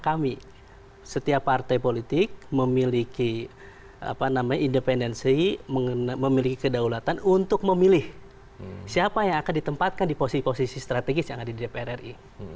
kami setiap partai politik memiliki independensi memiliki kedaulatan untuk memilih siapa yang akan ditempatkan di posisi posisi strategis yang ada di dpr ri